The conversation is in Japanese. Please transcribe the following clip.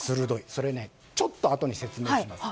それ、ちょっとあとに説明します。